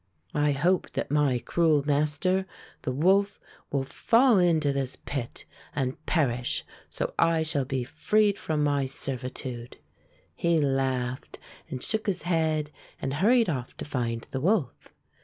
I hope that my cruel master, the wolf, will fall into this pit and perish so I shall be freed from my servi tude/' He laughed and shook his head and hur ried ofif to find the wolf.